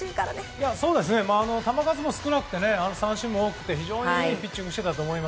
球数も少なくて三振も多くて非常にいいピッチングでした。